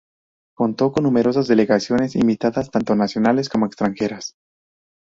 Contó con numerosas delegaciones invitadas, tanto nacionales como extranjeras.